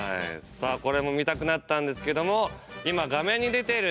さあこれも見たくなったんですけども今画面に出ている